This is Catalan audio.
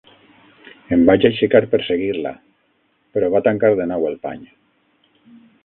Em vaig aixecar per seguir-la, però va tancar de nou el pany.